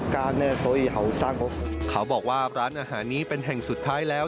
โซอีเห่าเขาบอกว่าร้านอาหารนี้เป็นแห่งสุดท้ายแล้ว